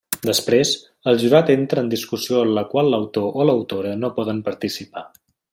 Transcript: Després, el jurat entra en discussió a la qual l'autor o l'autora no poden participar.